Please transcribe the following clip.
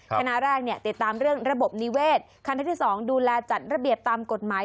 คณะแรกเนี่ยติดตามเรื่องระบบนิเวศคันที่๒ดูแลจัดระเบียบตามกฎหมาย